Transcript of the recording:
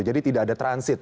jadi tidak ada transit